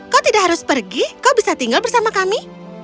kau tidak harus pergi kau bisa tinggal bersama kami